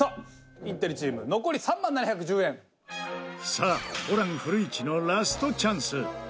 さあホラン古市のラストチャンス。